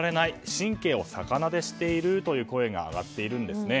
神経を逆なでしているという声が上がっているんですね。